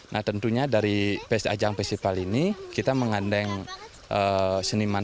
nah tentunya dari ajang festival ini kita mengandeng seniman